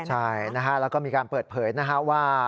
ใช่แล้วก็มีการเปิดเผยว่า